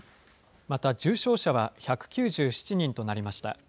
また、重症者は１９７人となりました。